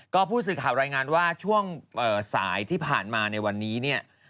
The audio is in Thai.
ก็ผู้สื่อข่าวรายงานว่าช่วงสายที่ผ่านมาในวันนี้เนี่ย